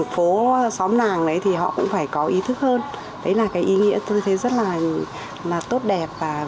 phố xóm làng đấy thì họ cũng phải có ý thức hơn đấy là cái ý nghĩa tôi thấy rất là tốt đẹp